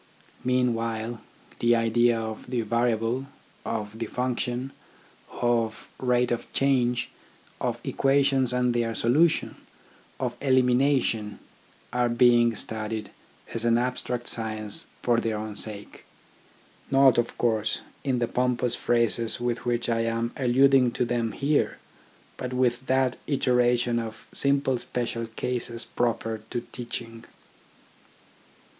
Meanwhile, the idea of the variable, of the function, of rate of change, of equations and their solution, of elimination, are being studied as an abstract science for their own sake. Not, of course, in the pompous phrases with which I am alluding to them here, but with that iteration of simple special cases proper to teaching.